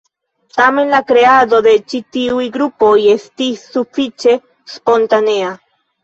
Tamen, la kreado de ĉi tiuj grupoj estis sufiĉe spontanea.